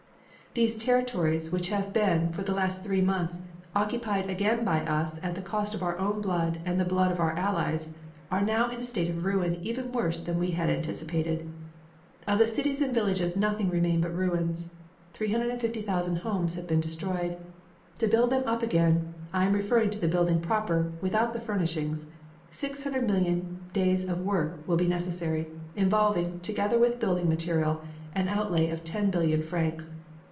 "These territories which have been, for the last three months, occupied again by us at the cost of our own blood and of the blood of our allies, are now in a state of ruin even worse than we had anticipated. Of the cities and villages nothing remains but ruins; 350,000 homes have been destroyed. To build them up again I am referring to the building proper, without the furnishings 600 million days' of work will be necessary, involving, together with building material, an outlay of 10,000,000,000 francs.